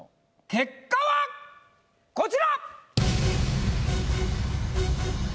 結果はこちら！